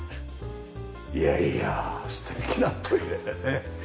いやいや素敵なトイレでね。